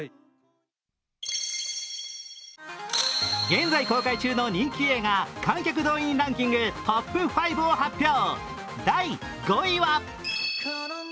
現在公開中の人気映画観客動員ランキングトップ５を発表。